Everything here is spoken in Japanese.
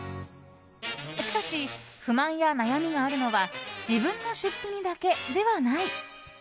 しかし、不満や悩みがあるのは自分の出費にだけではない。